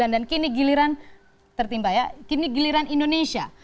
dan kini giliran indonesia